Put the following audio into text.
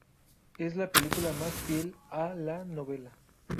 Es la película más fiel a la novela.